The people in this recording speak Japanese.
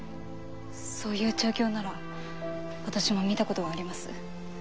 そういう調教なら私も見たことがあります。